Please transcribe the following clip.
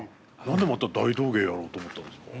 何でまた大道芸やろうと思ったんですか？